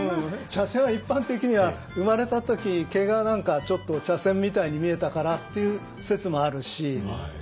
「茶筅」は一般的には生まれた時毛がちょっと茶筅みたいに見えたからっていう説もあるし。